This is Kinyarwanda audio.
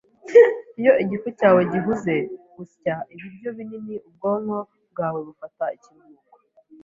Iyo igifu cyawe gihuze, gusya ibiryo binini ubwonko bwawe bufata ikiruhuko.